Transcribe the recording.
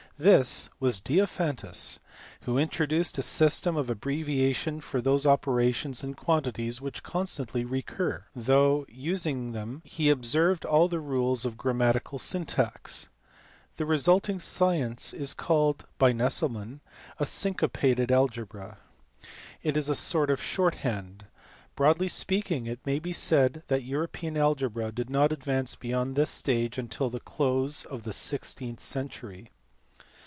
This was Diophantus who introduced a system of abbreviations for those operations and quantities which constantly recur, though in using them he observed all the rules of grammatical syntax. The resulting science is called by Nesselmann syncopated algebra : it is a sort DIOPHANTUS. 105 of shorthand. Broadly speaking, it may be said that European algebra did not advance beyond this stage until the close of the sixteenth century.